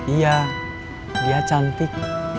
iya dia cantik